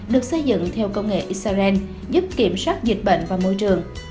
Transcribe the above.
được xây dựng theo công nghệ israel giúp kiểm soát dịch bệnh và môi trường